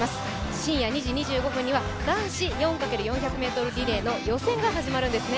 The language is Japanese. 深夜２時２５分には男子４×４００ｍリレーの予選も始まるんですね。